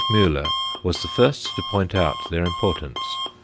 Müller was the first to point out their importance.